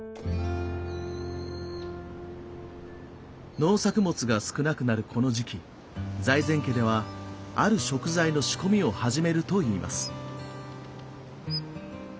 農作物が少なくなるこの時期財前家ではある食材の仕込みを始めるといいます。